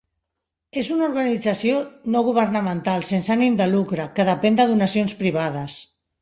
És una organització no governamental, sense ànim de lucre, que depèn de donacions privades.